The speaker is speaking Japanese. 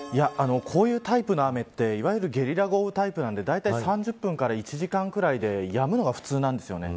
こういうタイプの雨はいわゆるゲリラ豪雨タイプなのでだいたい３０分から１時間くらいでやむのが普通なんですよね。